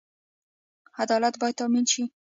عدالت باید تامین شي